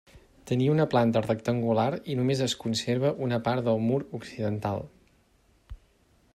Tenia planta rectangular i només es conserva una part del mur occidental.